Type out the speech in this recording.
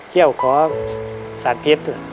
เที่ยวขอสารเพชร